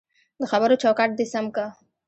دخبرو چوکاټ دی سم که